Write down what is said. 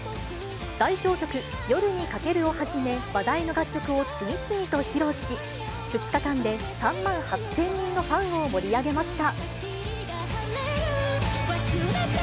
代表曲、夜に駆けるをはじめ、話題の楽曲を次々と披露し、２日間で３万８０００人のファンを盛り上げました。